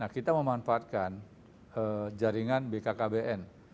kita memanfaatkan jaringan bkkbn